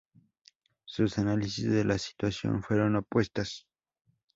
Sus análisis de la situación fueron opuestas.